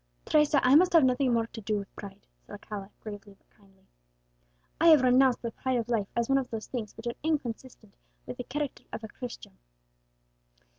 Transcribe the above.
"Teresa, I must have nothing more to do with pride," said Alcala gravely but kindly. "I have renounced the pride of life as one of those things which are inconsistent with the character of a Christian."